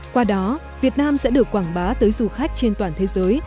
qua đó việt nam sẽ được quảng bá tới du khách trên toàn thế giới